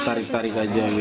ditarik tarik aja gitu